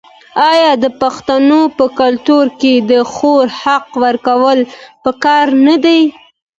آیا د پښتنو په کلتور کې د خور حق ورکول پکار نه دي؟